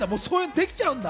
できちゃうんだ？